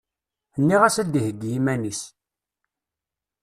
Nniɣ-as ad iheggi iman-is.